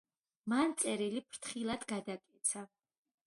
მან წერილი ფრთხილად გადაკეცა.